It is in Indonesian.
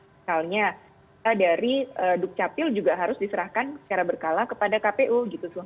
misalnya dari dukcapil juga harus diserahkan secara berkala kepada kpu gitu